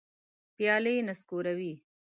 پیالي نسکوري